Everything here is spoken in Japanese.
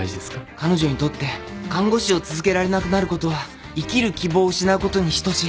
彼女にとって看護師を続けられなくなることは生きる希望を失うことに等しい。